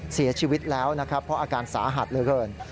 เสียชีวิตแล้วนะครับเพราะอาการสาหัสเหลือเกิน